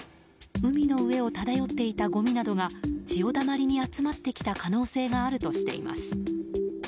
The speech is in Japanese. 海の上を漂っていたごみなどが潮溜まりに集まってきた可能性があるとしています。